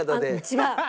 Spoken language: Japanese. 違う。